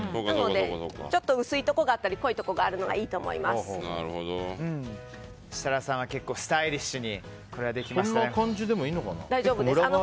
ちょっと薄いところや濃いところがあるといいと設楽さんは、結構スタイリッシュにできましたね。